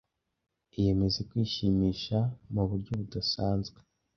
Iyemeze kwishimisha mu buryo budasanzwe,